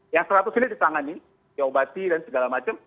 yang seratus ini ditangani ya obati dan segala macam